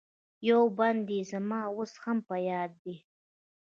یو بند یې زما اوس هم په یاد دی.